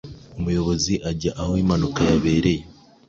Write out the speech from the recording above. Umuyobozi ajya aho impanuka yabereye